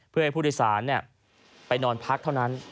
เพื่อให้ผู้โดยสารไปนอนพักเท่านั้น